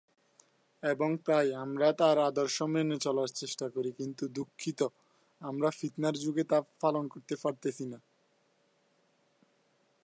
তার স্থলাভিষিক্ত হন রজার নাইট।